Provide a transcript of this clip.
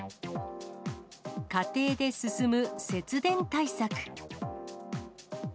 家庭で進む節電対策。